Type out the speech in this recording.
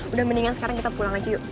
udah mendingan sekarang kita pulang aja yuk